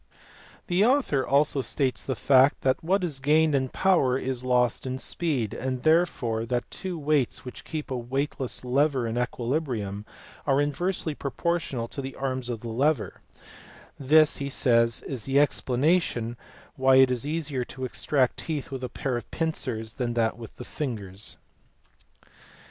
The author also states the fact that what is gained in power is lost in speed, and therefore that two weights which keep a [weightless] lever in equilibrium are inversely pro portional to the arms of the lever ; this, he says, is the explanation why it is easier to extract teeth with a pair of pincers than with the fingers.